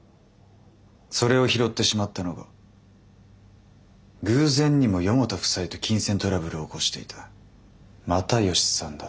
それを拾ってしまったのが偶然にも四方田夫妻と金銭トラブルを起こしていた又吉さんだった。